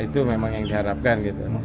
itu memang yang diharapkan gitu